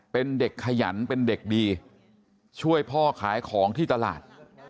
เป็นเด็กขยันเป็นเด็กดีช่วยพ่อขายของที่ตลาด